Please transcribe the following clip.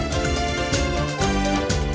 teganya teganya teganya